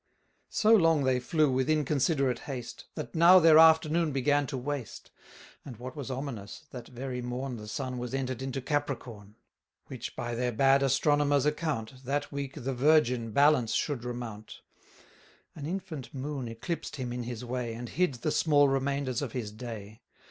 So long they flew with inconsiderate haste, That now their afternoon began to waste; And, what was ominous, that very morn The sun was enter'd into Capricorn; Which, by their bad astronomer's account, That week the Virgin balance should remount. 600 An infant moon eclipsed him in his way, And hid the small remainders of his day.